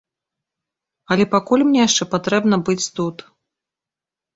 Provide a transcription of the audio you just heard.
Але пакуль мне яшчэ патрэбна быць тут.